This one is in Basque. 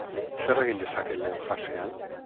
Zer egin dezaket lehen fasean?